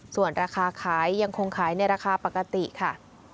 ส่วนราคาขายยังคงขายในราคาปกติค่ะ